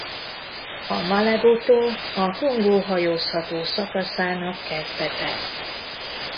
A Malebo-tó a Kongó hajózható szakaszának kezdete.